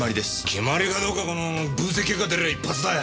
決まりかどうかこの分析結果出りゃ一発だよ。